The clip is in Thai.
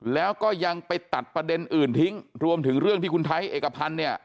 แล้วก็ยังไปตัดประเด็นอื่นทิ้งรวมถึงเรื่องที่คุณไทยเอกพันธ์เนี่ย